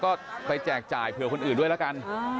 ก็ไปแจกจ่ายเผื่อคนอื่นด้วยละกัน